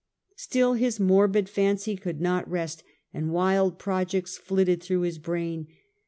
Still his morbid fancy could not rest, and wild projects flitted through his brain.